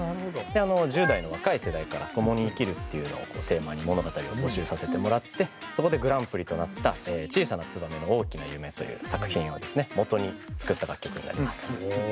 で１０代の若い世代から「ともに生きる」っていうのをテーマに物語を募集させてもらってそこでグランプリとなった「小さなツバメの大きな夢」という作品をもとに作った楽曲になります。